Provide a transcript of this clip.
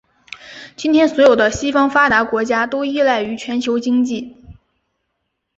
今天所有的西方发达国家都依赖于全球经济。